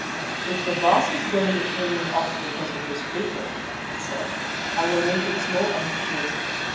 "If the Baas is going to turn me off because of this paper," he said, "I will make it small and eat it."